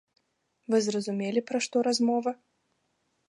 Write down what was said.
Вы зразумелі, пра што размова?